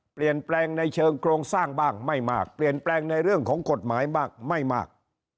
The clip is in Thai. เปลี่ยนแปลงในเชิงโครงสร้างบ้างไม่มากเปลี่ยนแปลงในเรื่องของกฎหมายบ้างไม่มาก